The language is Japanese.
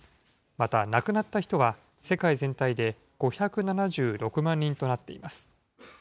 また、亡くなった人は世界全体で５７６万人となっています。